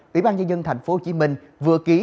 ủy ban nhân dân tp hcm vừa ký